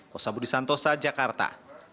kosa budi santosa jakarta